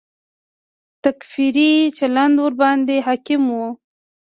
تکفیري چلند ورباندې حاکم و.